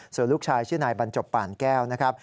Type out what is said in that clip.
ส่วนลูกชายชื่อนายบรรจบป่านแก้วนะครับ